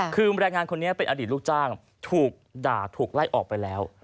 คือแรงงานคนนี้เป็นอดีตลูกจ้างถูกด่าถูกไล่ออกไปแล้ว